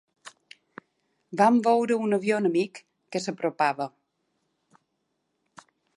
Vam veure un avió enemic que s'apropava